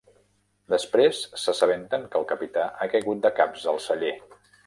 Després s'assabenten que el capità ha caigut de caps al celler.